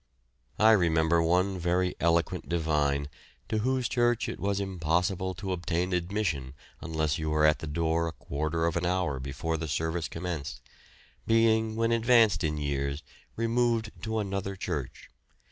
I remember one very eloquent divine, to whose church it was impossible to obtain admission unless you were at the door a quarter of an hour before the service commenced, being when advanced in years removed to another church.